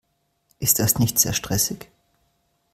Ist das nicht sehr stressig?